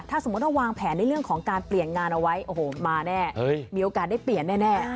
ถ้าสมมุติว่าวางแผนในเรื่องของการเปลี่ยนงานเอาไว้โอ้โหมาแน่มีโอกาสได้เปลี่ยนแน่